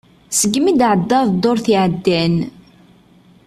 Segmi i d-tɛddaḍ ddurt iɛddan.